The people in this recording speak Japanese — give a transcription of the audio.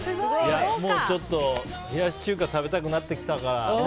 もう、冷やし中華食べたくなってきたからね